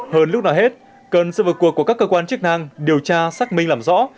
hơn lúc nào hết cần sự vượt cuộc của các cơ quan chức năng điều tra xác minh làm rõ